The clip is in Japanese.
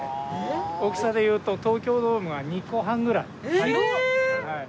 大きさで言うと東京ドームが２個半ぐらい入ります。